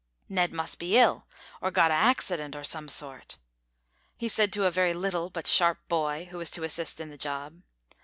"Ned must be ill, or got a haccident o' some sort," he said to a very little but sharp boy who was to assist in the job.